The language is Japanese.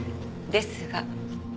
ですが。